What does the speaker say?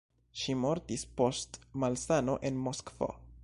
Ŝi mortis post malsano en Moskvo.